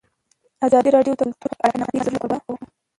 ازادي راډیو د کلتور په اړه د نقدي نظرونو کوربه وه.